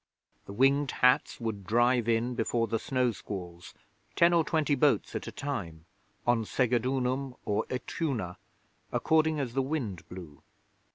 The Winged Hats would drive in before the snow squalls ten or twenty boats at a time on Segedunum or Ituna, according as the wind blew.